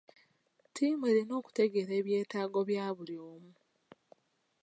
Ttiimu erina okutegeera ebyetaago bya buli omu.